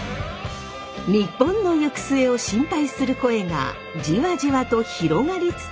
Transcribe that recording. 日本の行く末を心配する声がじわじわと広がりつつあった。